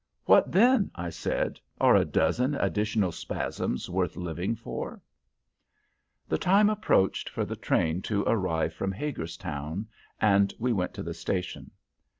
"What then?" I said. "Are a dozen additional spasms worth living for?" The time approached for the train to arrive from Hagerstown, and we went to the station.